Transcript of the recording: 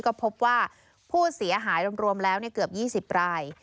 ก็พบว่าผู้เสียหายรวมแล้วเกือบ๒๐ราย